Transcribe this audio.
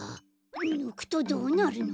ぬくとどうなるの？